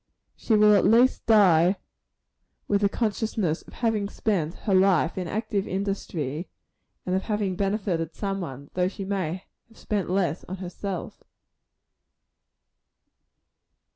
She will at least die with the consciousness of having spent her life in active industry, and of having benefited somebody, though she may have spent less on herself.